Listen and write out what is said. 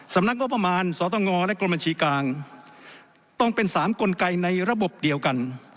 สำนักงบประมาณสตงและกรมบัญชีกลางต้องเป็นสามกลไกในระบบเดียวกัน